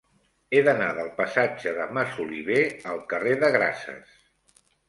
He d'anar del passatge de Masoliver al carrer de Grases.